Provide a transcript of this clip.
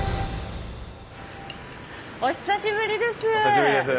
お久しぶりです。